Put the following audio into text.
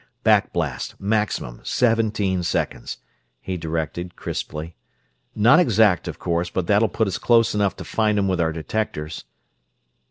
"Back blast, maximum, seventeen seconds!" he directed, crisply. "Not exact, of course, but that'll put us close enough to find 'em with our detectors!"